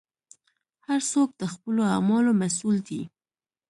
هر څوک د خپلو اعمالو مسوول دی.